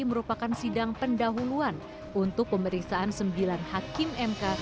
merupakan sidang pendahuluan untuk pemeriksaan sembilan hakim mk